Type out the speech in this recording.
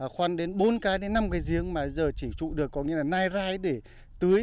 khoan đến bốn cái đến năm cái giếng mà giờ chỉ trụ được có nghĩa là nai rai để tưới